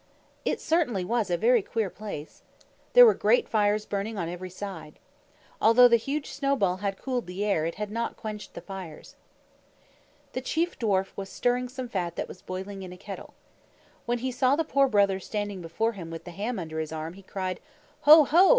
It certainly was a very queer place! There were great fires burning on every side. Although the huge snowball had cooled the air, it had not quenched the fires. The Chief Dwarf was stirring some fat that was boiling in a kettle. When he saw the Poor Brother standing before him with the ham under his arm, he cried, "Ho, ho!